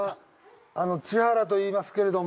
あの千原といいますけれども。